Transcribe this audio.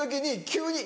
急に。